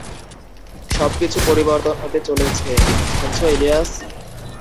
সবকিছু পরিবর্তন হতে চলেছে - শুনছো ইলিয়াস?